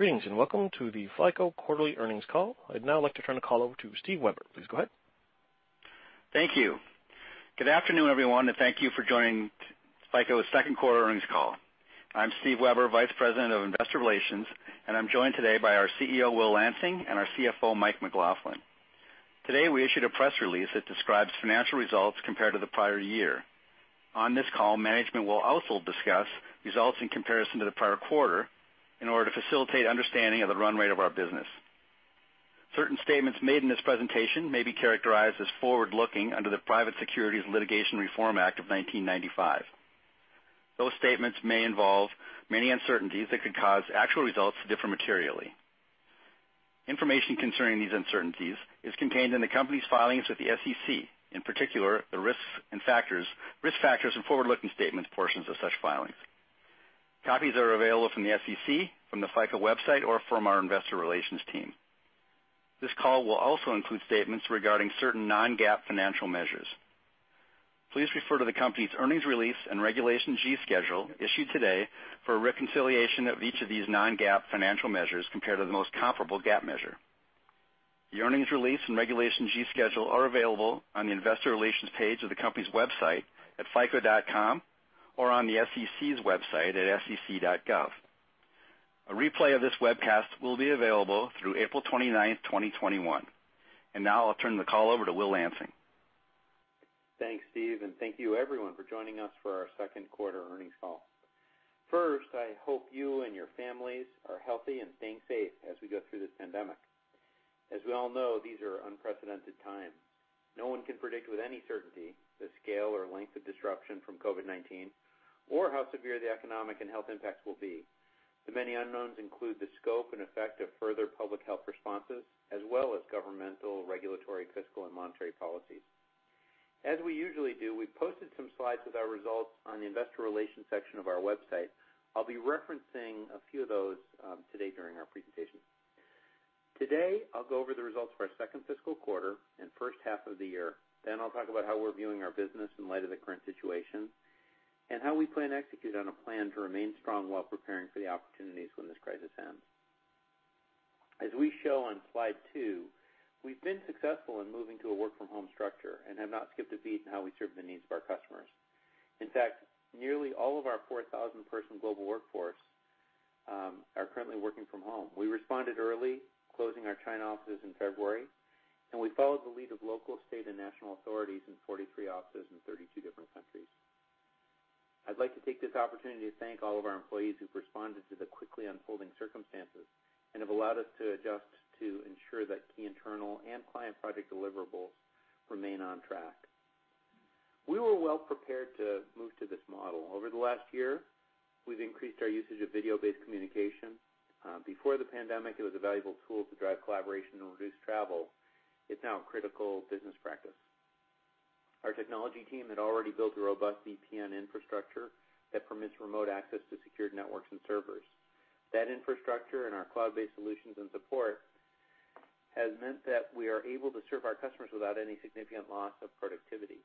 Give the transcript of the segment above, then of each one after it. Greetings, and welcome to the FICO quarterly earnings call. I'd now like to turn the call over to Steve Weber. Please go ahead. Thank you. Good afternoon, everyone, and thank you for joining FICO's Q2 earnings call. I'm Steve Weber, Vice President of Investor Relations, and I'm joined today by our CEO, Will Lansing, and our CFO, Mike McLaughlin. Today, we issued a press release that describes financial results compared to the prior year. On this call, management will also discuss results in comparison to the prior quarter in order to facilitate understanding of the run rate of our business. Certain statements made in this presentation may be characterized as forward-looking under the Private Securities Litigation Reform Act of 1995. Those statements may involve many uncertainties that could cause actual results to differ materially. Information concerning these uncertainties is contained in the company's filings with the SEC, in particular, the risk factors and forward-looking statements portions of such filings. Copies are available from the SEC, from the FICO website, or from our investor relations team. This call will also include statements regarding certain non-GAAP financial measures. Please refer to the company's earnings release and Regulation G schedule issued today for a reconciliation of each of these non-GAAP financial measures compared to the most comparable GAAP measure. The earnings release and Regulation G schedule are available on the investor relations page of the company's website at fico.com or on the SEC's website at sec.gov. A replay of this webcast will be available through April 29, 2021. Now I'll turn the call over to Will Lansing. Thanks, Steve, and thank you everyone for joining us for our Q2 earnings call. First, I hope you and your families are healthy and staying safe as we go through this pandemic. As we all know, these are unprecedented times. No one can predict with any certainty the scale or length of disruption from COVID-19 or how severe the economic and health impacts will be. The many unknowns include the scope and effect of further public health responses, as well as governmental, regulatory, fiscal, and monetary policies. As we usually do, we've posted some slides with our results on the investor relations section of our website. I'll be referencing a few of those today during our presentation. Today, I'll go over the results for our second fiscal quarter and first half of the year. I'll talk about how we're viewing our business in light of the current situation and how we plan to execute on a plan to remain strong while preparing for the opportunities when this crisis ends. As we show on slide two, we've been successful in moving to a work-from-home structure and have not skipped a beat in how we serve the needs of our customers. In fact, nearly all of our 4,000-person global workforce are currently working from home. We responded early, closing our China offices in February. We followed the lead of local, state, and national authorities in 43 offices in 32 different countries. I'd like to take this opportunity to thank all of our employees who've responded to the quickly unfolding circumstances and have allowed us to adjust to ensure that key internal and client project deliverables remain on track. We were well prepared to move to this model. Over the last year, we've increased our usage of video-based communication. Before the pandemic, it was a valuable tool to drive collaboration and reduce travel. It's now a critical business practice. Our technology team had already built a robust VPN infrastructure that permits remote access to secured networks and servers. That infrastructure and our cloud-based solutions and support has meant that we are able to serve our customers without any significant loss of productivity.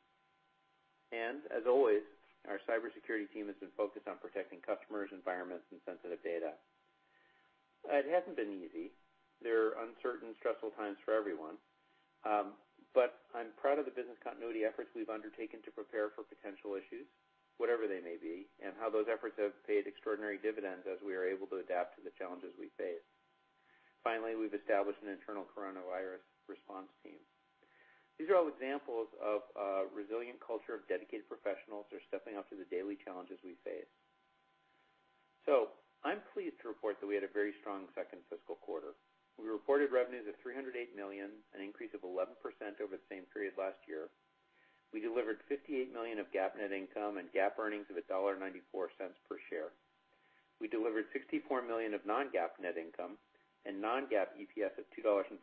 As always, our cybersecurity team has been focused on protecting customers, environments, and sensitive data. It hasn't been easy. There are uncertain, stressful times for everyone. I'm proud of the business continuity efforts we've undertaken to prepare for potential issues, whatever they may be, and how those efforts have paid extraordinary dividends as we are able to adapt to the challenges we face. Finally, we've established an internal coronavirus response team. These are all examples of a resilient culture of dedicated professionals who are stepping up to the daily challenges we face. I'm pleased to report that we had a very strong second fiscal quarter. We reported revenues of $308 million, an increase of 11% over the same period last year. We delivered $58 million of GAAP net income and GAAP earnings of $1.94 per share. We delivered $64 million of non-GAAP net income and non-GAAP EPS of $2.14.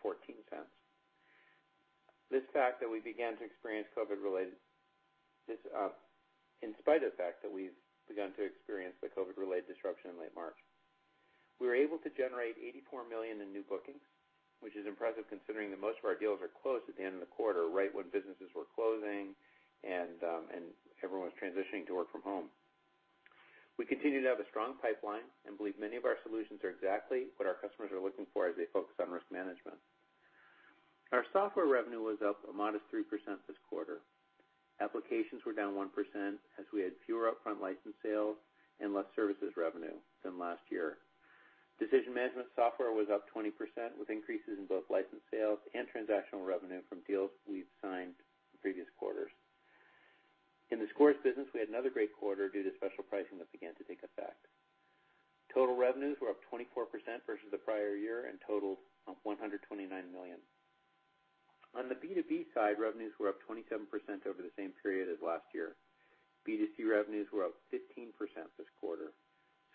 In spite of the fact that we've begun to experience the COVID-related disruption in late March. We were able to generate $84 million in new bookings, which is impressive considering that most of our deals are closed at the end of the quarter, right when businesses were closing and everyone was transitioning to work from home. We continue to have a strong pipeline and believe many of our solutions are exactly what our customers are looking for as they focus on risk management. Our software revenue was up a modest 3% this quarter. Applications were down 1% as we had fewer upfront license sales and less services revenue than last year. Decision management software was up 20% with increases in both license sales and transactional revenue from deals we've signed in previous quarters. In the Scores business, we had another great quarter due to special pricing that began to take effect. Total revenues were up 24% versus the prior year and totaled $129 million. On the B2B side, revenues were up 27% over the same period as last year. B2C revenues were up 15% this quarter.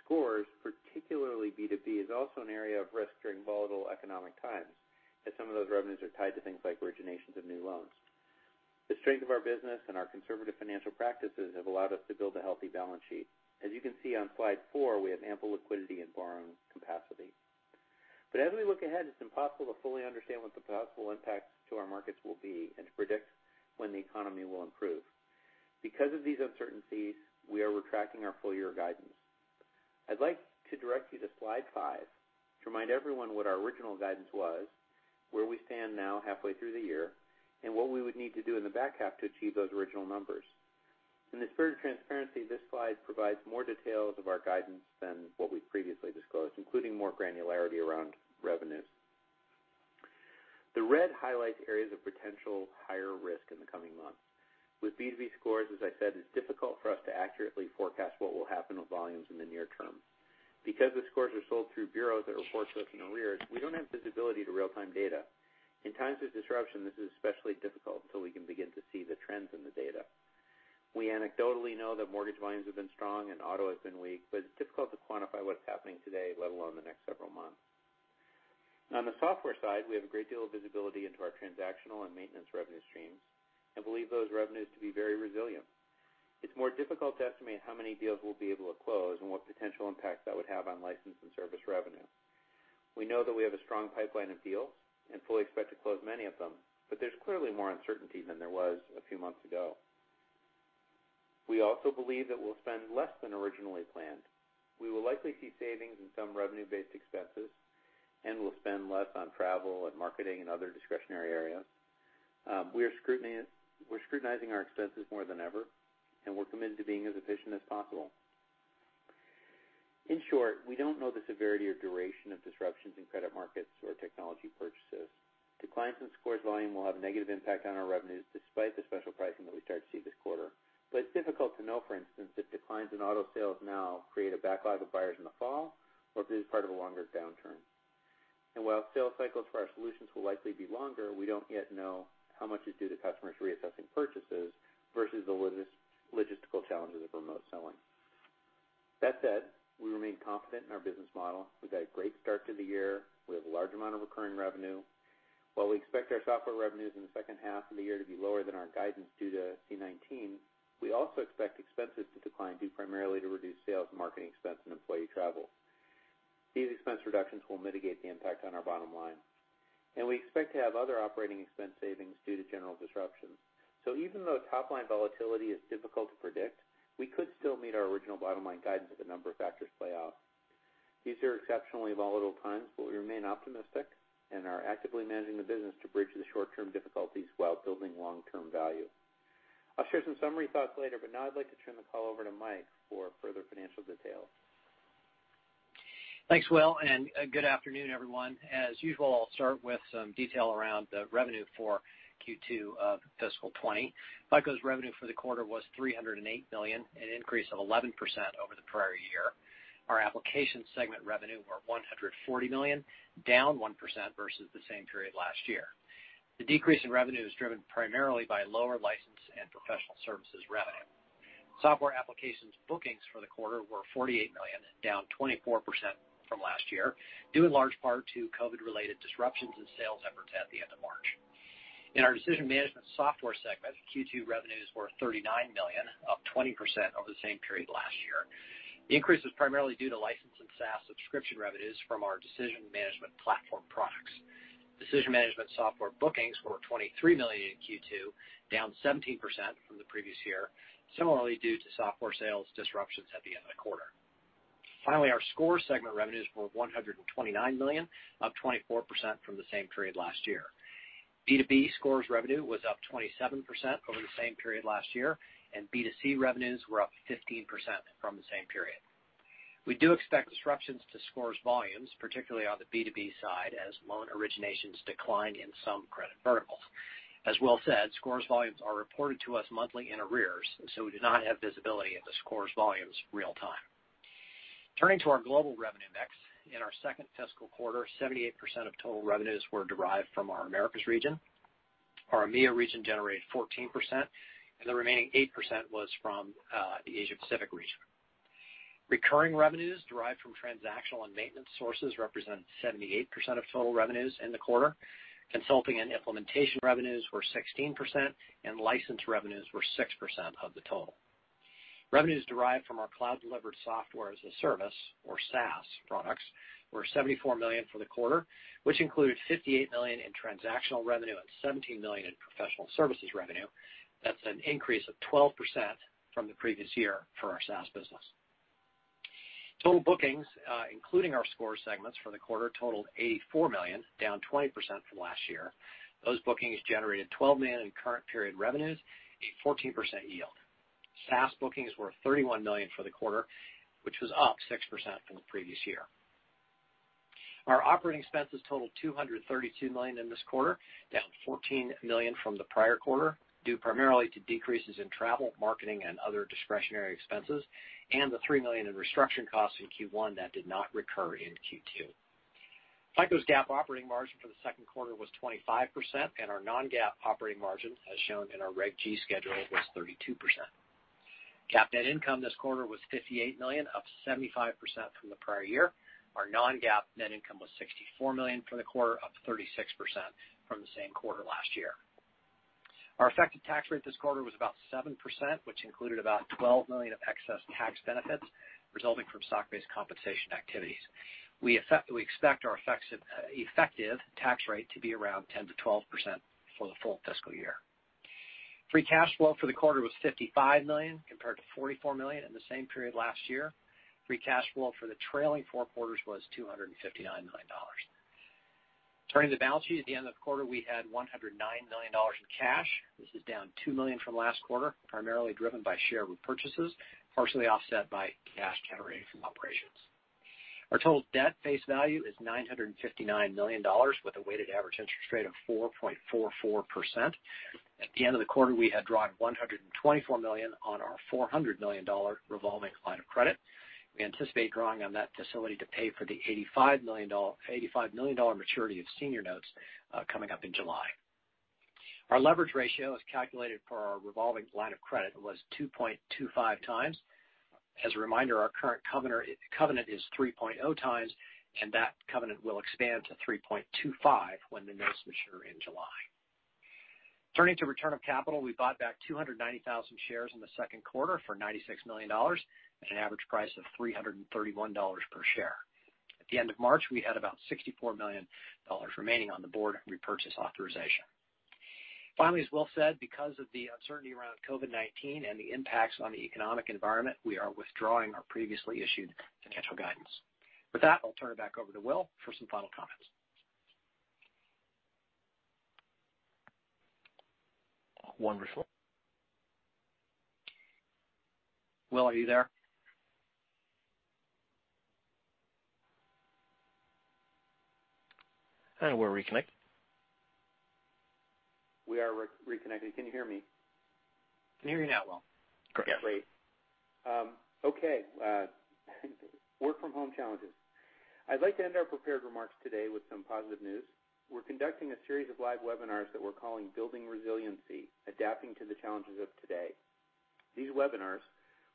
Scores, particularly B2B, is also an area of risk during volatile economic times, as some of those revenues are tied to things like originations of new loans. The strength of our business and our conservative financial practices have allowed us to build a healthy balance sheet. As you can see on slide four, we have ample liquidity and borrowing capacity. As we look ahead, it's impossible to fully understand what the possible impacts to our markets will be and to predict when the economy will improve. Because of these uncertainties, we are retracting our full-year guidance. I'd like to direct you to slide five to remind everyone what our original guidance was, where we stand now halfway through the year, and what we would need to do in the back half to achieve those original numbers. In the spirit of transparency, this slide provides more details of our guidance than what we've previously disclosed, including more granularity around revenues. The red highlights areas of potential higher risk in the coming months. With B2B scores, as I said, it's difficult for us to accurately forecast what will happen with volumes in the near term. Because the scores are sold through bureaus that report to us in arrears, we don't have visibility to real-time data. In times of disruption, this is especially difficult until we can begin to see the trends in the data. We anecdotally know that mortgage volumes have been strong and auto has been weak, but it's difficult to quantify what's happening today, let alone the next several months. Now on the software side, we have a great deal of visibility into our transactional and maintenance revenue streams and believe those revenues to be very resilient. It's more difficult to estimate how many deals we'll be able to close and what potential impact that would have on license and service revenue. We know that we have a strong pipeline of deals and fully expect to close many of them, but there's clearly more uncertainty than there was a few months ago. We also believe that we'll spend less than originally planned. We will likely see savings in some revenue-based expenses, and we'll spend less on travel and marketing and other discretionary areas. We're scrutinizing our expenses more than ever, and we're committed to being as efficient as possible. In short, we don't know the severity or duration of disruptions in credit markets or technology purchases. Declines in scores volume will have a negative impact on our revenues despite the special pricing that we start to see this quarter. It's difficult to know, for instance, if declines in auto sales now create a backlog of buyers in the fall, or if it is part of a longer downturn. While sales cycles for our solutions will likely be longer, we don't yet know how much is due to customers reassessing purchases versus the logistical challenges of remote selling. That said, we remain confident in our business model. We've got a great start to the year. We have a large amount of recurring revenue. While we expect our software revenues in the H2 of the year to be lower than our guidance due to C-19, we also expect expenses to decline due primarily to reduced sales and marketing expense and employee travel. These expense reductions will mitigate the impact on our bottom line. We expect to have other operating expense savings due to general disruptions. Even though top-line volatility is difficult to predict, we could still meet our original bottom-line guidance if a number of factors play out. These are exceptionally volatile times, but we remain optimistic and are actively managing the business to bridge the short-term difficulties while building long-term value. I'll share some summary thoughts later, but now I'd like to turn the call over to Mike for further financial details. Thanks, Will, good afternoon, everyone. As usual, I'll start with some detail around the revenue for Q2 of fiscal 2020. FICO's revenue for the quarter was $308 million, an increase of 11% over the prior year. Our application segment revenue were $140 million, down 1% versus the same period last year. The decrease in revenue is driven primarily by lower license and professional services revenue. Software applications bookings for the quarter were $48 million, down 24% from last year, due in large part to COVID-related disruptions in sales efforts at the end of March. In our decision management software segment, Q2 revenues were $39 million, up 20% over the same period last year. The increase was primarily due to license and SaaS subscription revenues from our decision management platform products. Decision management software bookings were $23 million in Q2, down 17% from the previous year, similarly due to software sales disruptions at the end of the quarter. Finally, our Score segment revenues were $129 million, up 24% from the same period last year. B2B Score revenue was up 27% over the same period last year, and B2C revenues were up 15% from the same period. We do expect disruptions to Score volumes, particularly on the B2B side, as loan originations decline in some credit verticals. As Will said, Score volumes are reported to us monthly in arrears, and so we do not have visibility of the Score volumes real-time. Turning to our global revenue mix. In our second fiscal quarter, 78% of total revenues were derived from our Americas region. Our EMEA region generated 14%, and the remaining 8% was from the Asia Pacific region. Recurring revenues derived from transactional and maintenance sources represented 78% of total revenues in the quarter. Consulting and implementation revenues were 16%, and license revenues were 6% of the total. Revenues derived from our cloud-delivered software-as-a-service, or SaaS, products were $74 million for the quarter, which included $58 million in transactional revenue and $17 million in professional services revenue. That's an increase of 12% from the previous year for our SaaS business. Total bookings, including our score segments for the quarter, totaled $84 million, down 20% from last year. Those bookings generated $12 million in current period revenues, a 14% yield. SaaS bookings were $31 million for the quarter, which was up 6% from the previous year. Our operating expenses totaled $232 million in this quarter, down $14 million from the prior quarter, due primarily to decreases in travel, marketing, and other discretionary expenses, and the $3 million in restructuring costs in Q1 that did not recur in Q2. FICO's GAAP operating margin for the Q2 was 25%, and our non-GAAP operating margin, as shown in our Reg G schedule, was 32%. GAAP net income this quarter was $58 million, up 75% from the prior year. Our non-GAAP net income was $64 million for the quarter, up 36% from the same quarter last year. Our effective tax rate this quarter was about 7%, which included about $12 million of excess tax benefits resulting from stock-based compensation activities. We expect our effective tax rate to be around 10%-12% for the full fiscal year. Free cash flow for the quarter was $55 million, compared to $44 million in the same period last year. Free cash flow for the trailing four quarters was $259 million. Turning to the balance sheet, at the end of the quarter, we had $109 million in cash. This is down $2 million from last quarter, primarily driven by share repurchases, partially offset by cash generated from operations. Our total debt face value is $959 million, with a weighted average interest rate of 4.44%. At the end of the quarter, we had drawn $124 million on our $400 million revolving line of credit. We anticipate drawing on that facility to pay for the $85 million maturity of senior notes coming up in July. Our leverage ratio, as calculated per our revolving line of credit, was 2.25 times. As a reminder, our current covenant is 3.0 times, and that covenant will expand to 3.25 when the notes mature in July. Turning to return of capital, we bought back 290,000 shares in the Q2 for $96 million, at an average price of $331 per share. At the end of March, we had about $64 million remaining on the board repurchase authorization. Finally, as Will said, because of the uncertainty around COVID-19 and the impacts on the economic environment, we are withdrawing our previously issued financial guidance. With that, I'll turn it back over to Will for some final comments. Wonderful. Will, are you there? We're reconnected. We are reconnected. Can you hear me? Can hear you now, Will. Correct. Yeah, great. Okay. Work from home challenges. I'd like to end our prepared remarks today with some positive news. We're conducting a series of live webinars that we're calling Building Resiliency: Adapting to the Challenges of Today. These webinars,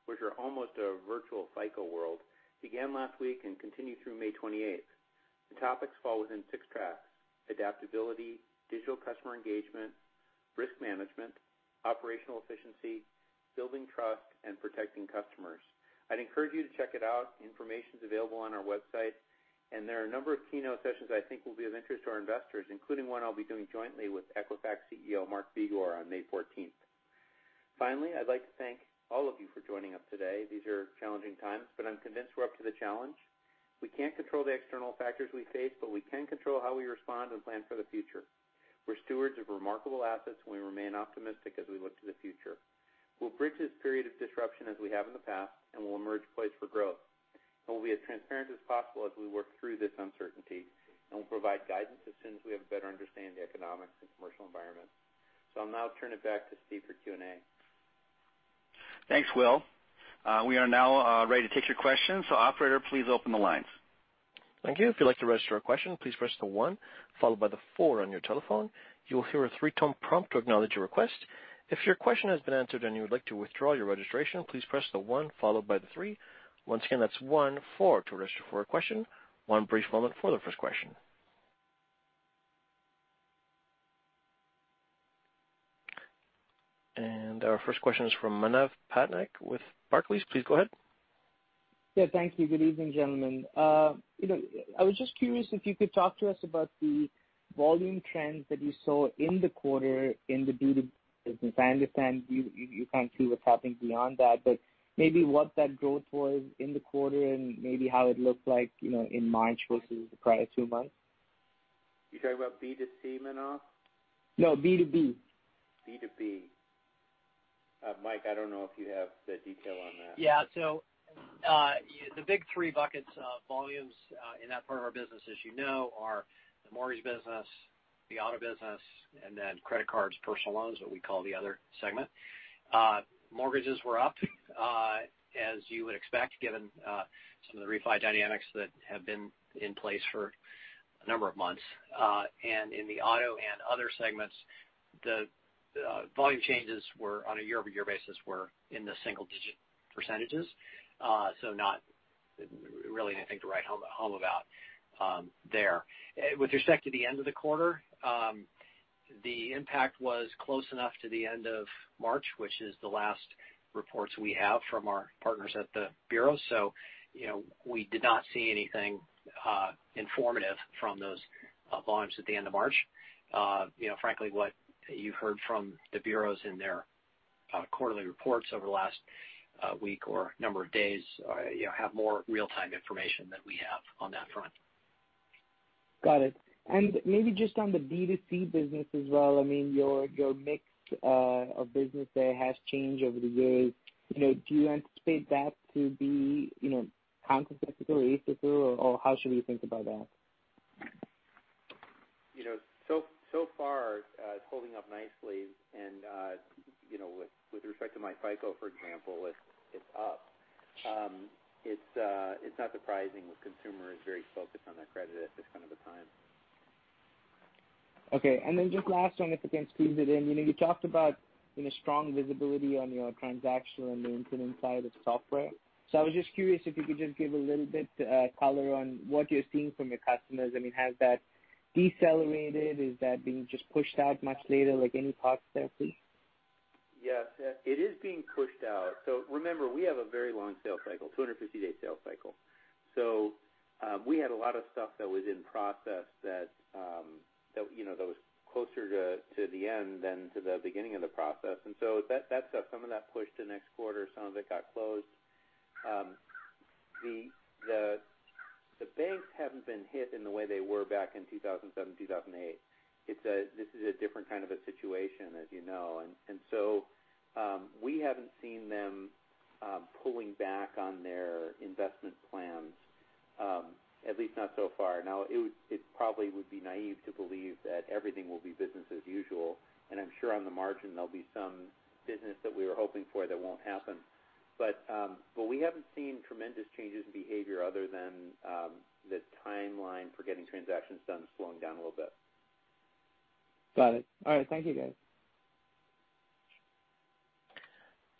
which are almost a virtual FICO World, began last week and continue through May 28th. The topics fall within six tracks: adaptability, digital customer engagement, risk management, operational efficiency, building trust, and protecting customers. I'd encourage you to check it out. Information's available on our website. There are a number of keynote sessions I think will be of interest to our investors, including one I'll be doing jointly with Equifax CEO Mark Begor on May 14th. I'd like to thank all of you for joining us today. These are challenging times. I'm convinced we're up to the challenge. We can't control the external factors we face, but we can control how we respond and plan for the future. We're stewards of remarkable assets, we remain optimistic as we look to the future. We'll bridge this period of disruption as we have in the past, we'll emerge poised for growth, we'll be as transparent as possible as we work through this uncertainty, we'll provide guidance as soon as we have a better understanding of the economics and commercial environment. I'll now turn it back to Steve for Q&A. Thanks, Will. We are now ready to take your questions. Operator, please open the lines. Thank you. If you'd like to register a question, please press the one followed by the four on your telephone. You will hear a three-tone prompt to acknowledge your request. If your question has been answered and you would like to withdraw your registration, please press the one followed by the three. Once again, that's one-four to register for a question. One brief moment for the first question. Our first question is from Manav Patnaik with Barclays. Please go ahead. Yeah, thank you. Good evening, gentlemen. I was just curious if you could talk to us about the volume trends that you saw in the quarter in the B2B business. I understand you can't see what's happening beyond that, but maybe what that growth was in the quarter and maybe how it looked like in March versus the prior two months. You are talking about B2C, Manav. No, B2B. B2B. Mike, I don't know if you have the detail on that. The big three buckets of volumes in that part of our business, as you know, are the mortgage business, the auto business, and then credit cards, personal loans, what we call the other segment. Mortgages were up, as you would expect, given some of the refi dynamics that have been in place for a number of months. In the auto and other segments, the volume changes on a year-over-year basis were in the single-digit percentages. Not really anything to write home about there. With respect to the end of the quarter, the impact was close enough to the end of March, which is the last reports we have from our partners at the bureau. We did not see anything informative from those volumes at the end of March. Frankly, what you've heard from the bureaus in their quarterly reports over the last week or number of days have more real-time information than we have on that front. Got it. Maybe just on the B2C business as well, your mix of business there has changed over the years. Do you anticipate that to be countercyclical or how should we think about that? So far, it's holding up nicely and with respect to myFICO, for example, it's up. It's not surprising. The consumer is very focused on their credit at this kind of a time. Okay, just last one, if I can squeeze it in. You talked about a strong visibility on your transactional and the maintenance side of software. I was just curious if you could just give a little bit color on what you're seeing from your customers. I mean, has that decelerated? Is that being just pushed out much later? Like any thoughts there, please? Yes. It is being pushed out. Remember, we have a very long sales cycle, 250-day sales cycle. We had a lot of stuff that was in process that was closer to the end than to the beginning of the process. That stuff, some of that pushed to next quarter, some of it got closed. The banks haven't been hit in the way they were back in 2007, 2008. This is a different kind of a situation, as you know. We haven't seen them pulling back on their investment plans, at least not so far. Now, it probably would be naive to believe that everything will be business as usual. I'm sure on the margin, there'll be some business that we were hoping for that won't happen. We haven't seen tremendous changes in behavior other than the timeline for getting transactions done slowing down a little bit. Got it. All right, thank you, guys.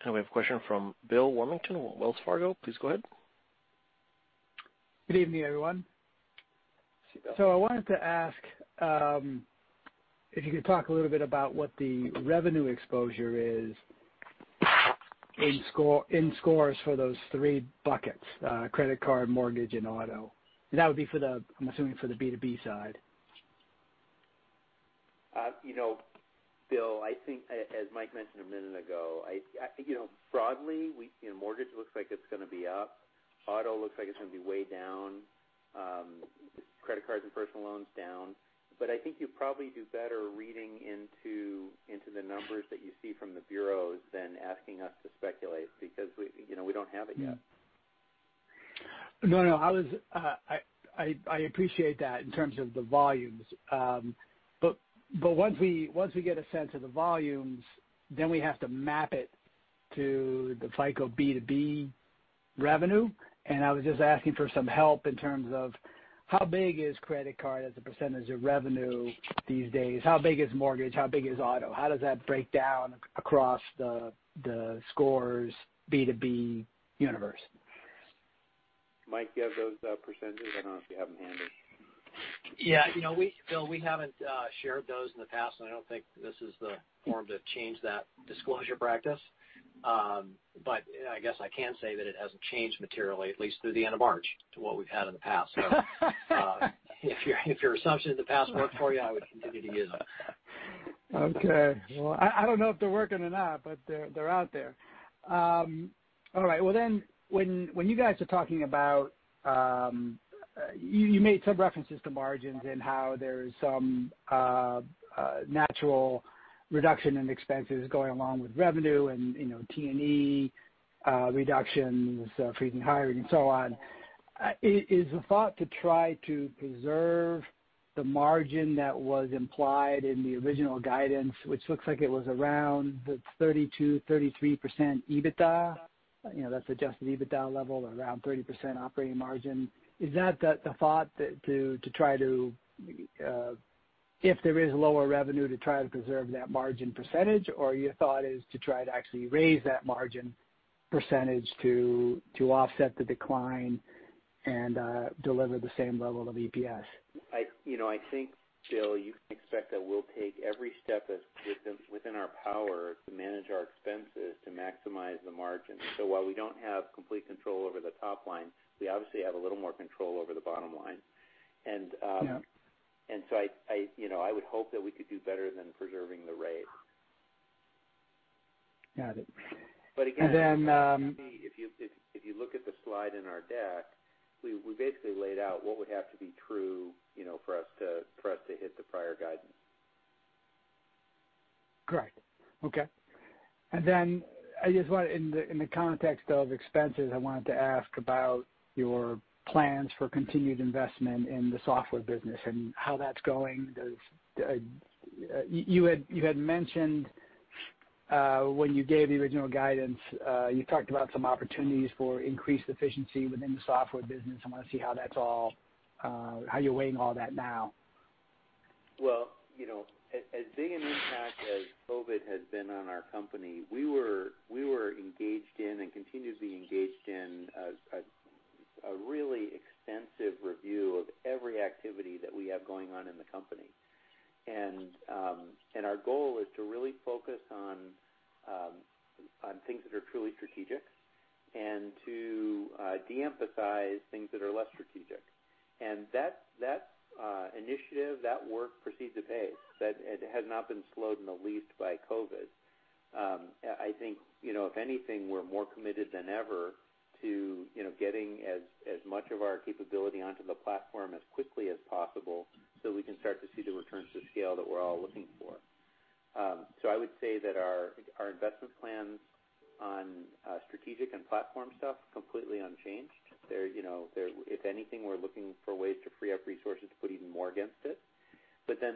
Now we have a question from Bill Warmington, Wells Fargo. Please go ahead. Good evening, everyone. Hi, Bill. I wanted to ask if you could talk a little bit about what the revenue exposure is in scores for those three buckets, credit card, mortgage, and auto. That would be for the, I'm assuming for the B2B side. Bill, I think, as Mike mentioned a minute ago, broadly, mortgage looks like it's going to be up. Auto looks like it's going to be way down. Credit cards and personal loans down. I think you'd probably do better reading into the numbers that you see from the bureaus than asking us to speculate, because we don't have it yet. No, I appreciate that in terms of the volumes. Once we get a sense of the volumes, then we have to map it to the FICO B2B revenue, and I was just asking for some help in terms of how big is credit card as a percentage of revenue these days? How big is mortgage? How big is auto? How does that break down across the scores B2B universe? Mike, do you have those percentages? I don't know if you have them handy. Yeah, Bill, we haven't shared those in the past, and I don't think this is the forum to change that disclosure practice. I guess I can say that it hasn't changed materially, at least through the end of March, to what we've had in the past. If your assumptions in the past worked for you, I would continue to use them. Okay. Well, I don't know if they're working or not, but they're out there. All right. Well, when you guys are talking about-- You made some references to margins and how there's some natural reduction in expenses going along with revenue and T&E reductions, freezing hiring and so on. Is the thought to try to preserve the margin that was implied in the original guidance, which looks like it was around the 32%, 33% EBITDA? That's adjusted EBITDA level or around 30% operating margin. Is that the thought, that if there is lower revenue, to try to preserve that margin percentage, or your thought is to try to actually raise that margin percentage to offset the decline and deliver the same level of EPS? I think, Bill, you can expect that we'll take every step within our power to manage our expenses to maximize the margin. While we don't have complete control over the top line, we obviously have a little more control over the bottom line. Yeah. I would hope that we could do better than preserving the rate. Got it. Again, if you look at the slide in our deck, we basically laid out what would have to be true for us to hit the prior guidance. Correct. Okay. In the context of expenses, I wanted to ask about your plans for continued investment in the software business and how that's going. You had mentioned when you gave the original guidance, you talked about some opportunities for increased efficiency within the software business. I want to see how you're weighing all that now. As big an impact as COVID has been on our company, we were engaged in and continue to be engaged in a really extensive review of every activity that we have going on in the company. Our goal is to really focus on things that are truly strategic and to de-emphasize things that are less strategic. That initiative, that work proceeds apace. It has not been slowed in the least by COVID. I think, if anything, we're more committed than ever to getting as much of our capability onto the platform as quickly as possible so we can start to see the returns to scale that we're all looking for. I would say that our investment plans on strategic and platform stuff, completely unchanged. If anything, we're looking for ways to free up resources to put even more against it.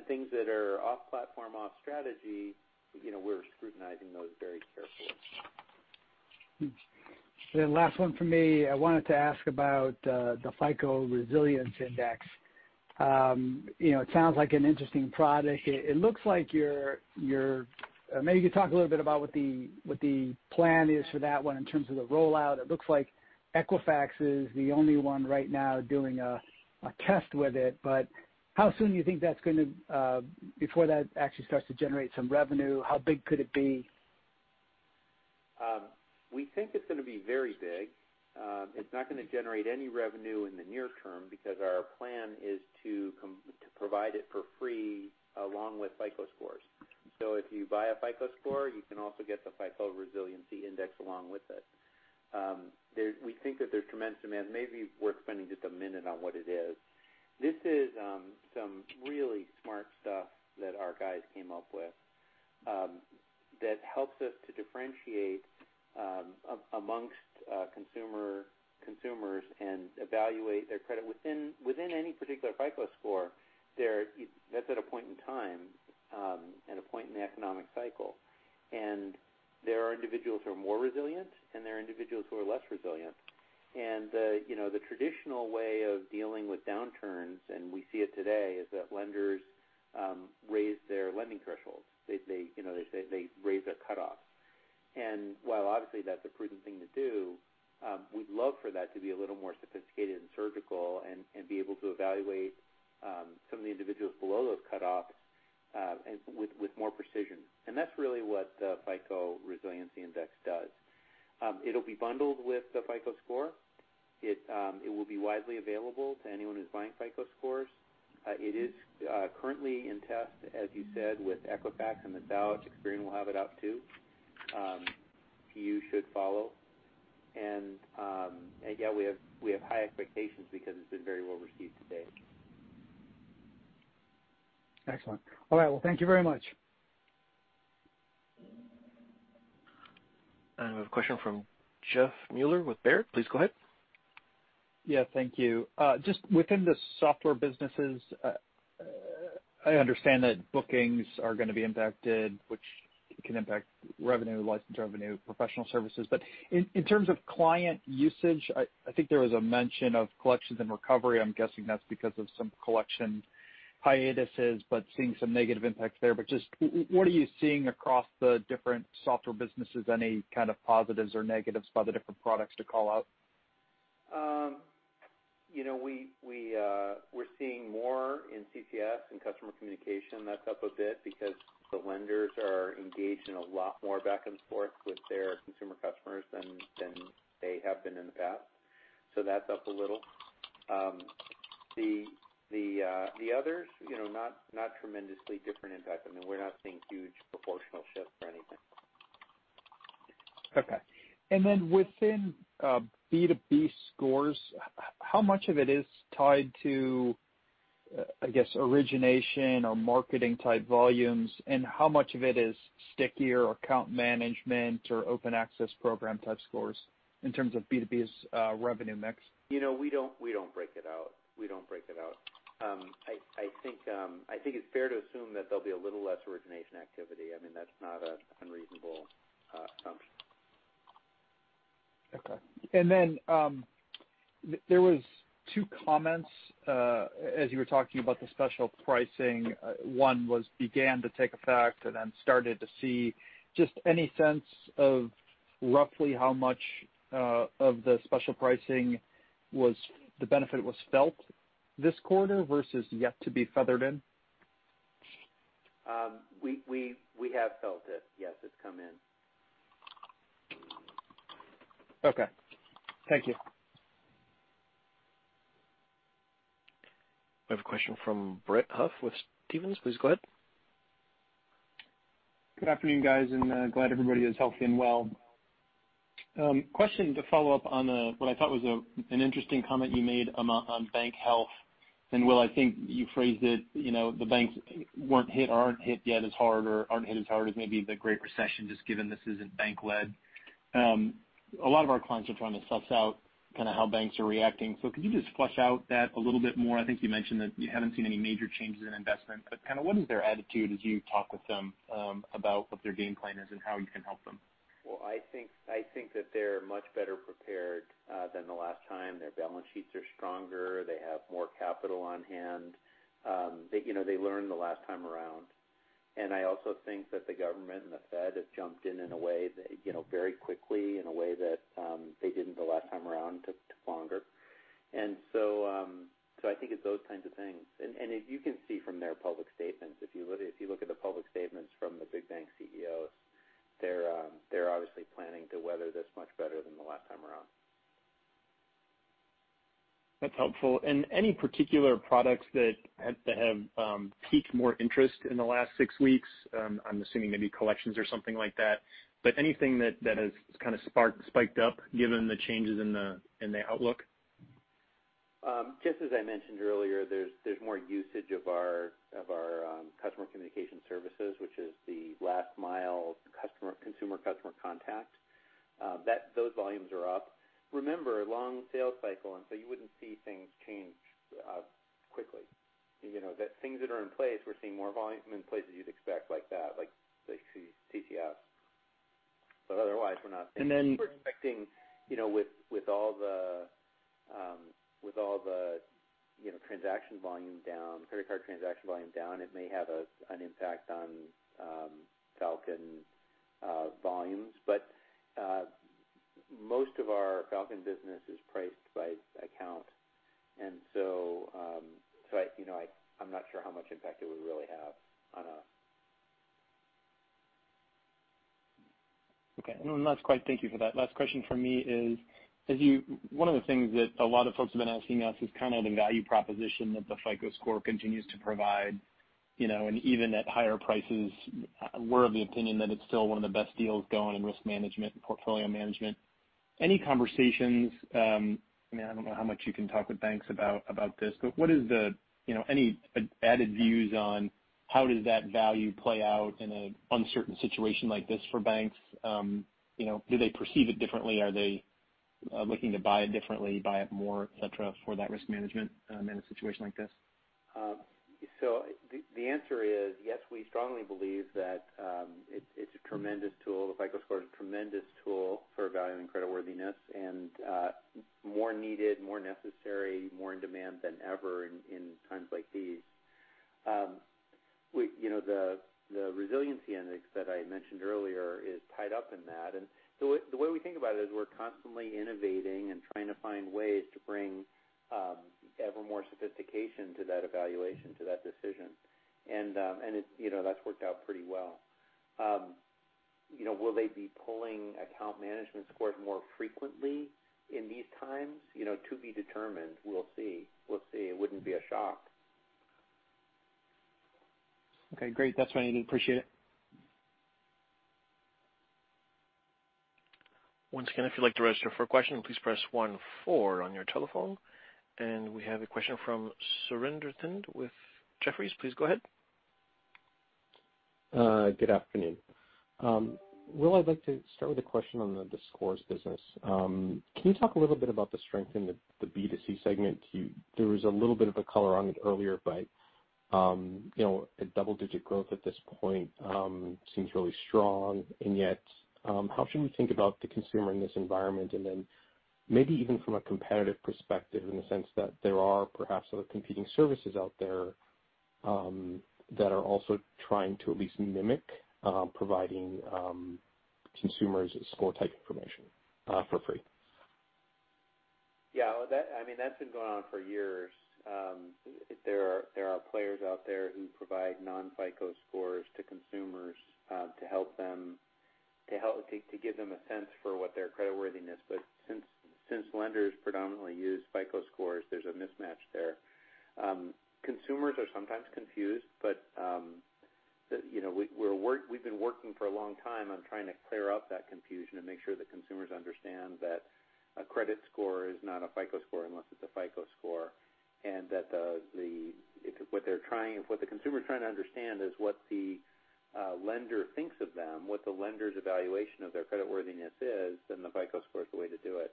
Things that are off-platform, off-strategy, we're scrutinizing those. The last one from me, I wanted to ask about the FICO Resilience Index. It sounds like an interesting product. Maybe you could talk a little bit about what the plan is for that one in terms of the rollout. It looks like Equifax is the only one right now doing a test with it, but how soon do you think, before that actually starts to generate some revenue, how big could it be? We think it's going to be very big. It's not going to generate any revenue in the near term because our plan is to provide it for free along with FICO Scores. If you buy a FICO Score, you can also get the FICO Resilience Index along with it. We think that there's tremendous demand. Maybe worth spending just a minute on what it is. This is some really smart stuff that our guys came up with that helps us to differentiate amongst consumers and evaluate their credit within any particular FICO Score. That's at a point in time and a point in the economic cycle. There are individuals who are more resilient, and there are individuals who are less resilient. The traditional way of dealing with downturns, and we see it today, is that lenders raise their lending thresholds. They raise their cutoffs. While obviously that's a prudent thing to do, we'd love for that to be a little more sophisticated and surgical and be able to evaluate some of the individuals below those cutoffs with more precision. That's really what the FICO Resilience Index does. It'll be bundled with the FICO Score. It will be widely available to anyone who's buying FICO Scores. It is currently in test, as you said, with Equifax and TransUnion. Experian will have it up, too. TU should follow. Yeah, we have high expectations because it's been very well received to date. Excellent. All right. Well, thank you very much. We have a question from Jeff Mueler with Baird. Please go ahead. Yeah, thank you. Just within the software businesses, I understand that bookings are going to be impacted, which can impact revenue, license revenue, professional services. In terms of client usage, I think there was a mention of collections and recovery. I'm guessing that's because of some collection hiatuses, but seeing some negative impacts there. Just what are you seeing across the different software businesses? Any kind of positives or negatives by the different products to call out? We're seeing more in CCS, in Customer Communication Services. That's up a bit because the lenders are engaged in a lot more back and forth with their consumer customers than they have been in the past. That's up a little. The others, not tremendously different impact. I mean, we're not seeing huge proportional shifts or anything. Okay. Within B2B scores, how much of it is tied to, I guess, origination or marketing type volumes, and how much of it is stickier or account management or open access program type scores in terms of B2B's revenue mix? We don't break it out. I think it's fair to assume that there'll be a little less origination activity. I mean, that's not an unreasonable assumption. Okay. There was two comments as you were talking about the special pricing. One was began to take effect and then started to see. Just any sense of roughly how much of the special pricing the benefit was felt this quarter versus yet to be feathered in? We have felt it. Yes, it's come in. Okay. Thank you. We have a question from Brett Huff with Stephens. Please go ahead. Good afternoon, guys, and glad everybody is healthy and well. Question to follow up on what I thought was an interesting comment you made on bank health, and Will, I think you phrased it, the banks weren't hit or aren't hit yet as hard or aren't hit as hard as maybe the Great Recession, just given this isn't bank-led. A lot of our clients are trying to suss out how banks are reacting. Could you just flesh out that a little bit more? I think you mentioned that you haven't seen any major changes in investment, but what is their attitude as you talk with them about what their game plan is and how you can help them? Well, I think that they're much better prepared than the last time. Their balance sheets are stronger. They have more capital on hand. They learned the last time around. I also think that the government and the Fed have jumped in very quickly in a way that they didn't the last time around. It took longer. I think it's those kinds of things. As you can see from their public statements, if you look at the public statements from the big bank CEOs, they're obviously planning to weather this much better than the last time around. That's helpful. Any particular products that have piqued more interest in the last six weeks? I'm assuming maybe collections or something like that. Anything that has spiked up given the changes in the outlook? Just as I mentioned earlier, there's more usage of our Customer Communication Services, which is the last mile consumer-customer contact. Those volumes are up. Remember, long sales cycle. You wouldn't see things change quickly. The things that are in place, we're seeing more volume in places you'd expect like that, like the CCS. Otherwise, we're not seeing. And then- We're expecting, with all the transaction volume down, credit card transaction volume down, it may have an impact on Falcon volumes. Most of our Falcon business is priced by account. I'm not sure how much impact it would really have on us. Okay. Thank you for that. Last question from me is, one of the things that a lot of folks have been asking us is the value proposition that the FICO Score continues to provide, and even at higher prices, we're of the opinion that it's still one of the best deals going in risk management and portfolio management. Any conversations, I mean, I don't know how much you can talk with banks about this, but any added views on how does that value play out in an uncertain situation like this for banks? Do they perceive it differently? Are they looking to buy it differently, buy it more, et cetera, for that risk management in a situation like this? The answer is, yes, we strongly believe that it's a tremendous tool. The FICO Score is a tremendous tool for valuing creditworthiness and more needed, more necessary, more in demand than ever in times like these. The Resiliency Index that I mentioned earlier is tied up in that. The way we think about it is we're constantly innovating and trying to find ways to bring ever more sophistication to that evaluation, to that decision. That's worked out pretty well. Will they be pulling account management scores more frequently in these times? To be determined. We'll see. It wouldn't be a shock. Okay, great. That's what I need. Appreciate it. Once again, if you'd like to register for a question, please press one, four on your telephone. We have a question from Surinder Thind with Jefferies. Please go ahead. Good afternoon. Will, I'd like to start with a question on the Scores Business. Can you talk a little bit about the strength in the B2C segment? There was a little bit of a color on it earlier, but a double-digit growth at this point seems really strong, and yet how should we think about the consumer in this environment, and then maybe even from a competitive perspective in the sense that there are perhaps other competing services out there that are also trying to at least mimic providing consumers score-type information for free. Yeah. That's been going on for years. There are players out there who provide non-FICO Scores to consumers to give them a sense for what their creditworthiness is. Since lenders predominantly use FICO Scores, there's a mismatch there. Consumers are sometimes confused; we've been working for a long time on trying to clear up that confusion and make sure that consumers understand that a credit score is not a FICO Score unless it's a FICO Score. That if what the consumer is trying to understand is what the lender thinks of them, what the lender's evaluation of their creditworthiness is, then the FICO Score is the way to do it.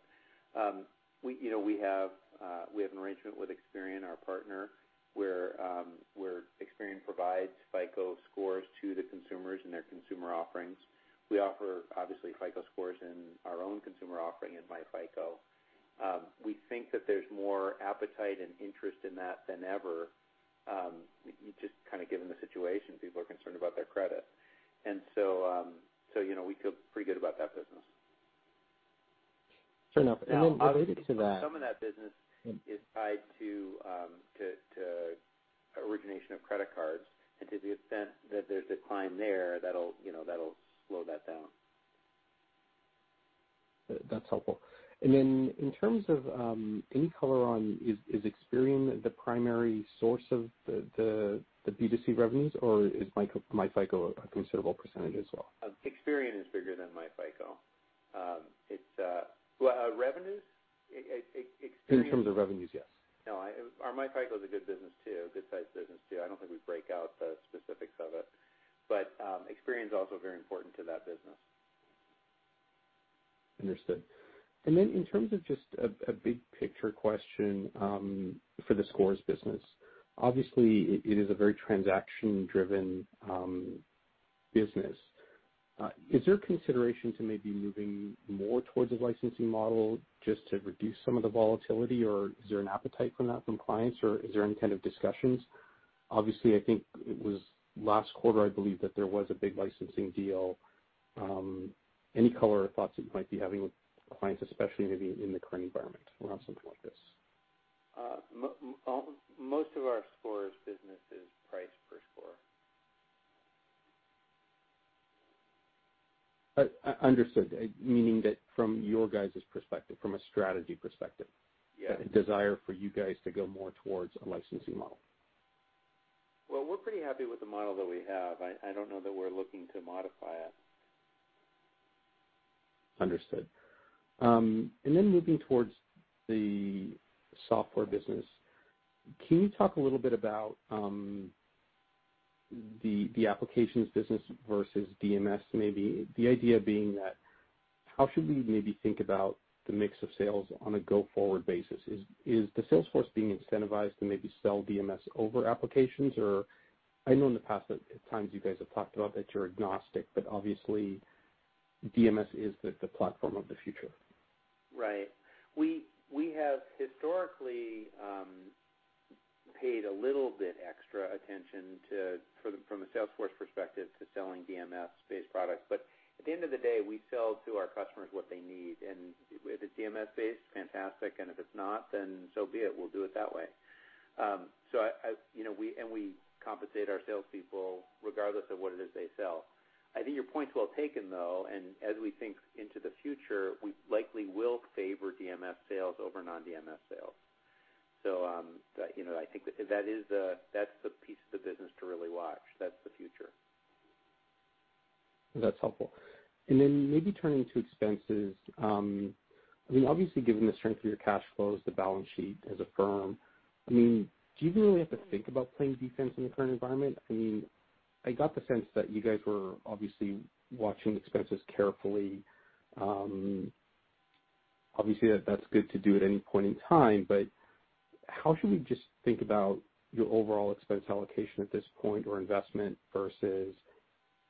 We have an arrangement with Experian, our partner, where Experian provides FICO Scores to the consumers in their consumer offerings. We offer obviously FICO Scores in our own consumer offering in myFICO. We think that there's more appetite and interest in that than ever, just given the situation, people are concerned about their credit. We feel pretty good about that business. Fair enough. Some of that business is tied to origination of credit cards, and to the extent that there'll slow that down. That's helpful. Then in terms of any color on, is Experian the primary source of the B2C revenues, or is myFICO a considerable percentage as well? Experian is bigger than myFICO. Revenues? In terms of revenues, yes. No. myFICO is a good business too, good-sized business too. I don't think we break out the specifics of it. Experian is also very important to that business. Understood. In terms of just a big picture question for the Scores business, obviously it is a very transaction-driven business. Is there consideration to maybe moving more towards a licensing model just to reduce some of the volatility, or is there an appetite for that from clients, or is there any kind of discussions? Obviously, I think it was last quarter, I believe that there was a big licensing deal. Any color or thoughts that you might be having with clients, especially maybe in the current environment around something like this? Most of our Scores business is priced per score. Understood. Meaning that from your guys' perspective, from a strategy perspective. Yeah. A desire for you guys to go more towards a licensing model. Well, we're pretty happy with the model that we have. I don't know that we're looking to modify it. Understood. Moving towards the software business, can you talk a little bit about the applications business versus DMS, maybe. The idea being that how should we maybe think about the mix of sales on a go-forward basis? Is the sales force being incentivized to maybe sell DMS over applications or I know in the past that at times you guys have talked about that you're agnostic, but obviously DMS is the platform of the future. Right. We have historically paid a little bit extra attention, from a sales force perspective, to selling DMS-based products. At the end of the day, we sell to our customers what they need. If it's DMS-based, fantastic, and if it's not, then so be it. We'll do it that way. We compensate our salespeople regardless of what it is they sell. I think your point's well taken, though. As we think into the future, we likely will favor DMS sales over non-DMS sales. I think that's the piece of the business to really watch. That's the future. That's helpful. Then maybe turning to expenses. I mean, obviously given the strength of your cash flows, the balance sheet as a firm, do you even really have to think about playing defense in the current environment? I got the sense that you guys were obviously watching expenses carefully. Obviously, that's good to do at any point in time, but how should we just think about your overall expense allocation at this point or investment versus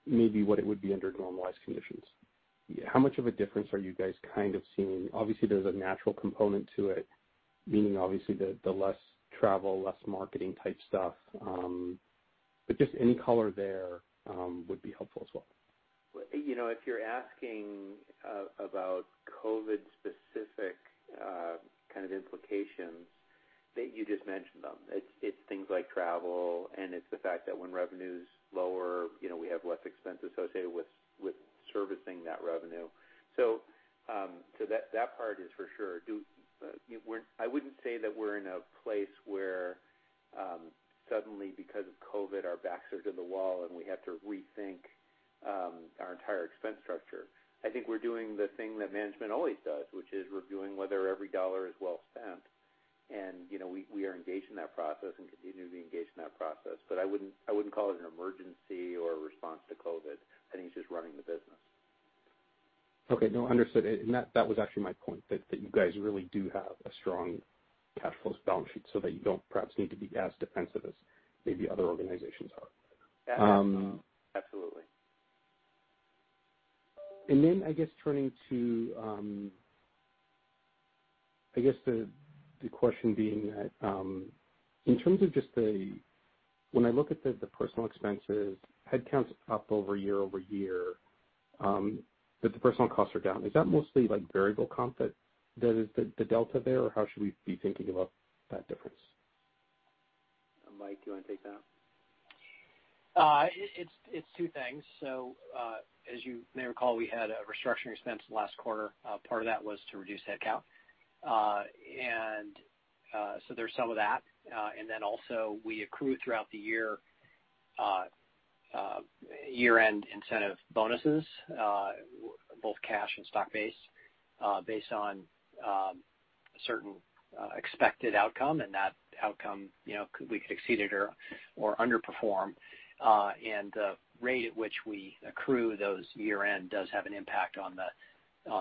maybe what it would be under normalized conditions? How much of a difference are you guys' kind of seeing? Obviously, there's a natural component to it, meaning obviously the less travel, less marketing type stuff. Just any color there would be helpful as well. If you're asking about COVID-specific kind of implications, you just mentioned them. It's things like travel, and it's the fact that when revenue's lower, we have less expense associated with servicing that revenue. That part is for sure. I wouldn't say that we're in a place where suddenly because of COVID, our backs are to the wall, and we have to rethink our entire expense structure. I think we're doing the thing that management always does, which is reviewing whether every dollar is well spent. We are engaged in that process and continue to be engaged in that process. I wouldn't call it an emergency or a response to COVID. I think it's just running the business. Okay. No, understood. That was actually my point, that you guys really do have a strong cash flow balance sheet so that you don't perhaps need to be as defensive as maybe other organizations are. Absolutely. I guess turning to the question being that in terms of just When I look at the personnel expenses, headcount's up over year-over-year, but the personal costs are down. Is that mostly like variable comp that is the delta there, or how should we be thinking about that difference? Mike, do you want to take that? It's two things. As you may recall, we had a restructuring expense last quarter. Part of that was to reduce headcount. There's some of that. We accrue throughout the year-end incentive bonuses, both cash and stock-based, based on a certain expected outcome. That outcome, we could exceed it or underperform. The rate at which we accrue those year-end does have an impact on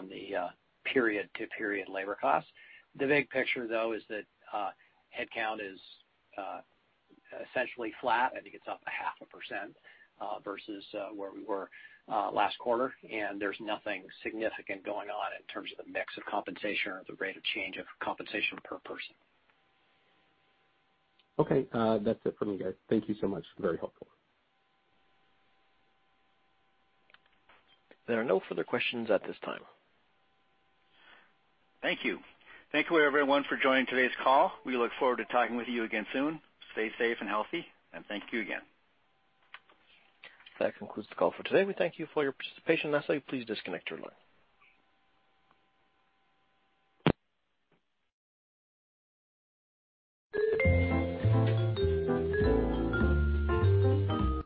the period-to-period labor costs. The big picture, though, is that headcount is essentially flat. I think it's up 0.5%, versus where we were last quarter. There's nothing significant going on in terms of the mix of compensation or the rate of change of compensation per person. Okay. That's it for me, guys. Thank you so much. Very helpful. There are no further questions at this time. Thank you. Thank you, everyone, for joining today's call. We look forward to talking with you again soon. Stay safe and healthy and thank you again. That concludes the call for today. We thank you for your participation. That's all. You please disconnect your line.